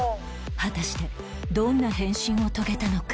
果たしてどんな変身を遂げたのか？